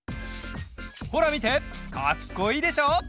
ほらみてかっこいいでしょ！